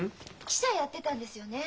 記者やってたんですよね？